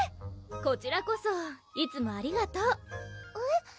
こちらこそいつもありがとうえっ？